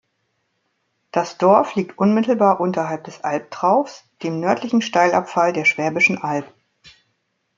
Das Dorf liegt unmittelbar unterhalb des Albtraufs, dem nördlichen Steilabfall der Schwäbischen Alb.